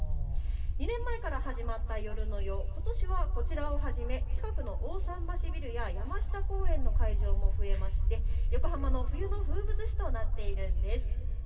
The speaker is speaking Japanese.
２年前から始まったヨルノヨ、こちらをはじめ近くの大さん橋ビルや山下公園の会場も増えまして横浜の冬の風物詩となっているんです。